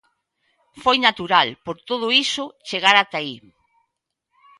Foi natural, por todo iso, chegar ata aí.